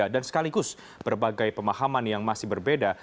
dan sekaligus berbagai pemahaman yang masih berbeda